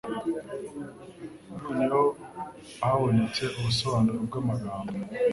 Noneho habonetse ubusobanuro bw'amagambo